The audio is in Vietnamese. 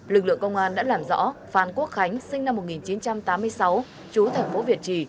lực lượng công an đã làm rõ phan quốc khánh sinh năm một nghìn chín trăm tám mươi sáu chú thành phố việt trì